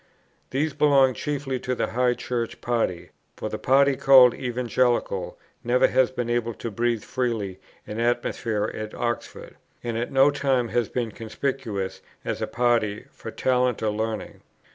These belonged chiefly to the High Church party; for the party called Evangelical never has been able to breathe freely in the atmosphere of Oxford, and at no time has been conspicuous, as a party, for talent or learning.